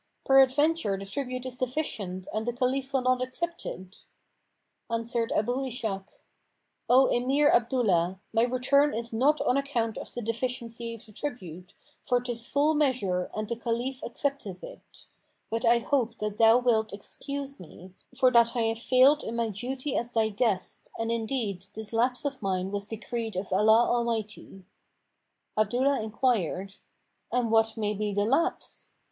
Peradventure the tribute is deficient and the Caliph will not accept it?" Answered Abu Ishak, "O Emir Abdullah, my return is not on account of the deficiency of the tribute, for 'tis full measure and the Caliph accepteth it; but I hope that thou wilt excuse me, for that I have failed in my duty as thy guest and indeed this lapse of mine was decreed of Allah Almighty." Abdullah enquired, "And what may be the lapse?"